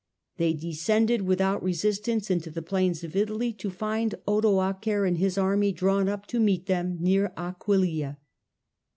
They descended without resistance into the plains of Italy, to find Odoacer and his army drawn up to meet them near Aquileia.